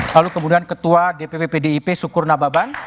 lalu kemudian ketua dpp pdip sukur nababan